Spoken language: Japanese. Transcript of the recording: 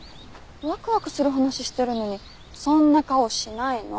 ワクワクする話してるのにそんな顔しないの。